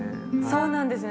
そうなんですね。